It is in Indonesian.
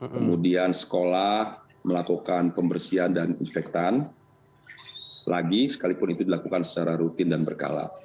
kemudian sekolah melakukan pembersihan dan infektan lagi sekalipun itu dilakukan secara rutin dan berkala